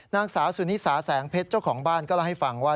นางสาวสุนิสาแสงเพชรเจ้าของบ้านก็เล่าให้ฟังว่า